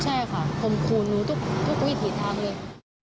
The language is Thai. ใช่ค่ะคมครูหนูทุกวิถีทางเลย